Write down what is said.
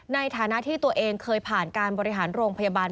ในฐานะที่ตัวเองเคยผ่านการบริหารโรงพยาบาล